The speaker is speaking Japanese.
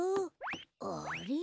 あれ？